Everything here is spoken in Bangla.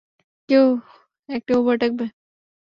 কেউ একটা উবার ডাকবে?